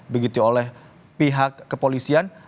begitu oleh pihak kepolisian